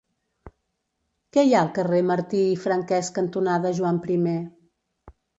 Què hi ha al carrer Martí i Franquès cantonada Joan I?